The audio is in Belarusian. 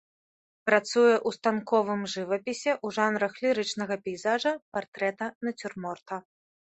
Працуе ў станковым жывапісе ў жанрах лірычнага пейзажа, партрэта, нацюрморта.